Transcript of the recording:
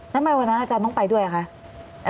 ทำไมวันนั้นอาจารย์ต้องไปด้วยอ่ะคะ